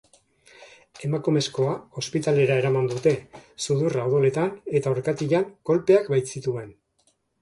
Emakumezkoa ospitalera eraman dute, sudurra odoletan eta orkatilan kolpeak baitzituen.